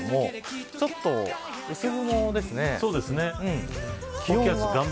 ちょっと薄雲ですね。